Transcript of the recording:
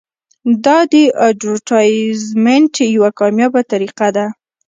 دا د اډورټایزمنټ یوه کامیابه طریقه ده.